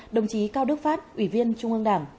đồng chí cao đức pháp ủy viên trung ương đảng